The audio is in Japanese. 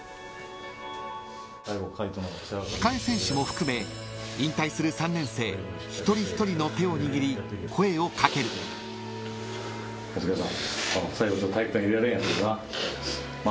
［控え選手も含め引退する３年生一人一人の手を握り声をかける］分かった？